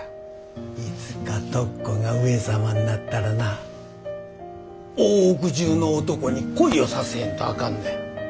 いつか徳子が上様になったらな大奥中の男に恋をさせへんとあかんのや。